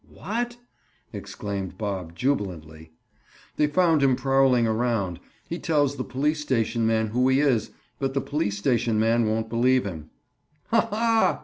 "What?" exclaimed Bob jubilantly. "They found him prowling around. He tells the police station man who he is, but the police station man won't believe him." "Ha! ha!"